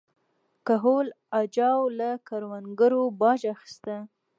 کهول اجاو له کروندګرو باج اخیسته.